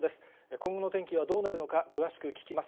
今後の天気はどうなるのか、詳しく聞きます。